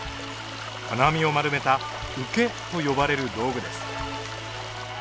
金網を丸めた「うけ」と呼ばれる道具です。